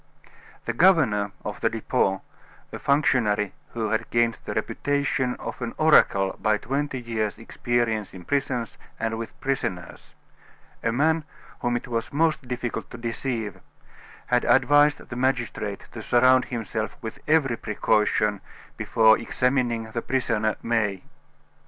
XI The governor of the Depot, a functionary who had gained the reputation of an oracle by twenty years' experience in prisons and with prisoners a man whom it was most difficult to deceive had advised the magistrate to surround himself with every precaution before examining the prisoner, May.